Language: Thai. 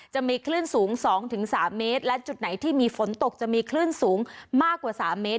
จะมีคลื่นสูง๒๓เมตรและจุดไหนที่มีฝนตกจะมีคลื่นสูงมากกว่า๓เมตร